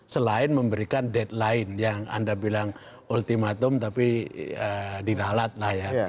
selain memberikan deadline yang anda bilang ultimatum tapi diralat lah ya